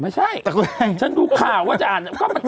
ฉันดูข่าวว่าจะอ่าน